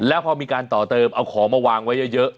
แล้วพอมีการต่อเติมเอาของมาวางไว้เยอะ